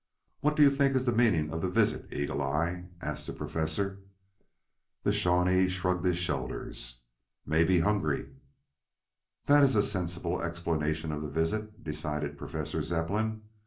"What do you think is the meaning of the visit, Eagle eye?" asked the Professor. The Shawnee shrugged his shoulders. "Mebby hungry." "That is a sensible explanation of the visit," decided Professor Zepplin.